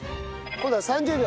今度は３０秒。